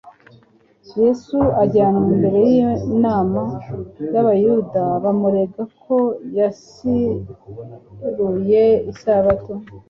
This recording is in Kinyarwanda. Yesu ajyanwa imbere y'inama y'abayuda bamurega ko yaziruye isabato.